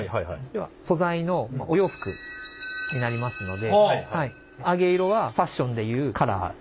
要は素材のお洋服になりますので揚げ色はファッションでいうカラー。